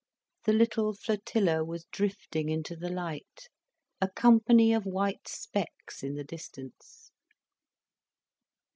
The little flotilla was drifting into the light, a company of white specks in the distance.